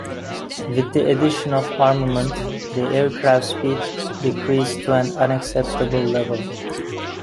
With the addition of armament, the aircraft's speed decreased to an unacceptable level.